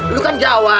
lo kan jawa